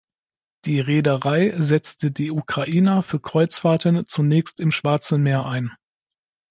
Die Reederei setzte die "Ukraina" für Kreuzfahrten zunächst im Schwarzen Meer ein.